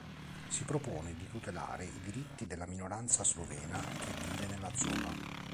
Si propone di tutelare i diritti della minoranza slovena che vive nella zona.